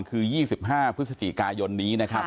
คือ๒๕พฤศจิกายนนี้